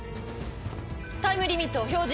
タイムリミットを表示！